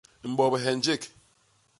Mbobhe njék.